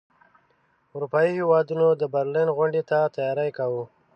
اروپايي هیوادونو د برلین غونډې ته تیاری کاوه.